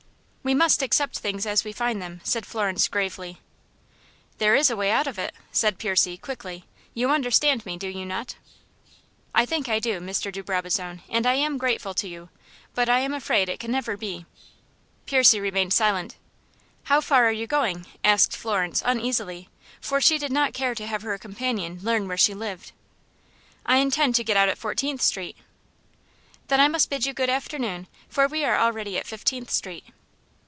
"We must accept things as we find them," said Florence, gravely. "There is a way out of it," said Percy, quickly. "You understand me, do you not?" "I think I do, Mr. de Brabazon, and I am grateful to you, but I am afraid it can never be." Percy remained silent. "How far are you going?" asked Florence, uneasily, for she did not care to have her companion learn where she lived. "I intend to get out at Fourteenth Street." "Then I must bid you good afternoon, for we are already at Fifteenth Street."